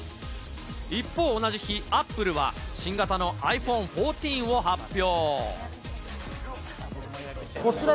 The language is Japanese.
一方同じ日、アップルは、新型のｉＰｈｏｎｅ１４を発表。